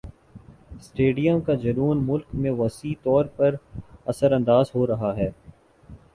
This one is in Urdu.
سٹیڈیم کا جنون مُلک میں وسیع طور پر اثرانداز ہو رہا ہے